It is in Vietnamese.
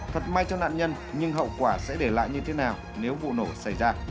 thật may cho nạn nhân nhưng hậu quả sẽ để lại như thế nào nếu vụ nổ xảy ra